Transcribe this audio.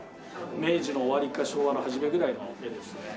明治の終わりか昭和の初めぐらいの絵ですね。